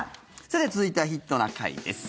さて続いては「ヒットな会」です。